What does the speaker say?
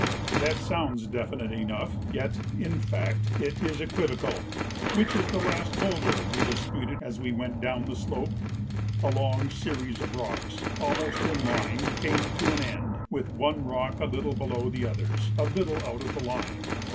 That sounds definite enough, yet in fact it is equivocal. "Which is the last boulder?" we disputed as we went down the slope. A long series of rocks almost in line came to an end, with one rock a little below the others, a little out of the line.